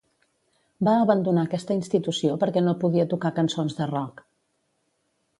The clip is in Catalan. Va abandonar aquesta institució perquè no podia tocar cançons de rock.